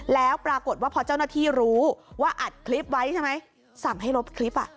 แล้วปรากฏว่าพอเจ้าหน้าที่รู้ว่าอัดคลิปไว้ใช่ไหมสั่งให้ลบคลิป